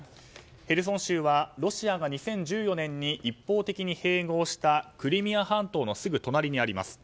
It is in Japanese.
ヘルソン州はロシアが２０１４年に一方的に併合したクリミア半島のすぐ隣にあります。